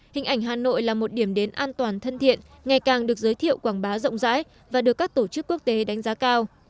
hình ảnh hà nội là một điểm đến an toàn thân thiện ngày càng được giới thiệu quảng bá rộng rãi và được các tổ chức quốc tế đánh giá cao